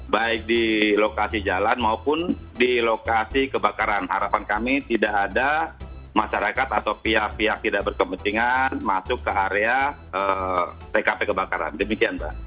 baik di lokasi jalan maupun di lokasi kebakaran harapan kami tidak ada masyarakat atau pihak pihak tidak berkepentingan masuk ke area tkp kebakaran demikian mbak